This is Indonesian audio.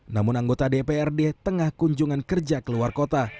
namun anggota dprd tengah kunjungan kerja ke luar kota